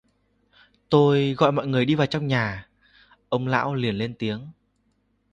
Tôi gọi mọi người đi vào trong nhà, ông lão liền lên tiếng